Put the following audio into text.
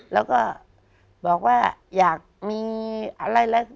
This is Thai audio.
แล้วก็บอกว่าอยากมีอะไรแล้ว